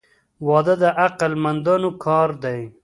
• واده د عقل مندانو کار دی.